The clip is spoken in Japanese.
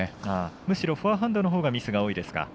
むしろフォアハンドのほうがミスが多いですか。